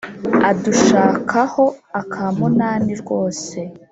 Adushaka ho akamunani rwose